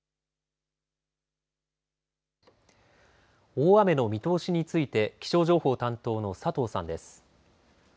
大雨の見通しについて気象情報担当の佐藤さんです。